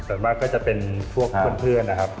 ส่วนมากก็จะเป็นพวกเพื่อนนะครับ